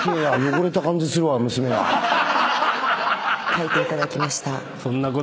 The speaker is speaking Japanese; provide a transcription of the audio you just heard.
書いていただきました。